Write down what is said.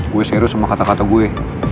gue seru sama kata kata gue